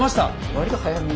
割と早めに。